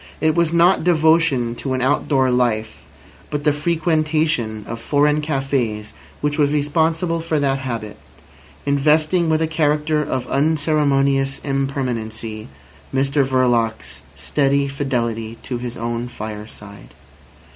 It was not devotion to an outdoor life, but the frequentation of foreign cafés which was responsible for that habit, investing with a character of unceremonious impermanency Mr Verloc's steady fidelity to his own fireside.